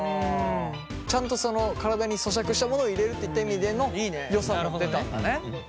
ちゃんとその体に咀嚼したものを入れるっていった意味でのよさも出たんだね。